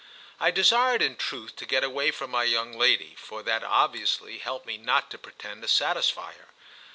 I desired in truth to get away from my young lady, for that obviously helped me not to pretend to satisfy her.